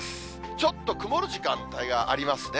ちょっと曇る時間帯がありますね。